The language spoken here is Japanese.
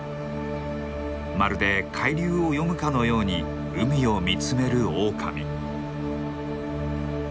まるで海流を読むかのように海を見つめるオオカミ。